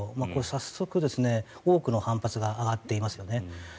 早速、多くの反発が上がっていますよね。